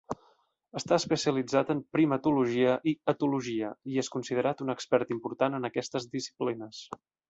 Està especialitzat en primatologia i etologia, i és considerat un expert important en aquestes disciplines.